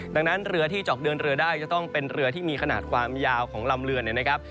ดังนั้นเรือที่เจาะเดินเรือได้จะต้องเป็นเรือที่มีขนาดความยาวของลำเรือเนี่ยนะครับ